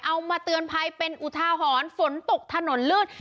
เอามาเตือนภัยเป็นอุทาหรณ์ฝนตกถนนลื่น